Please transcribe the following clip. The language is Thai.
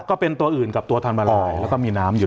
ก็เป็นตัวอื่นกับตัวทันมาลายแล้วก็มีน้ำอยู่